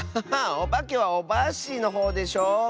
おばけはオバッシーのほうでしょ。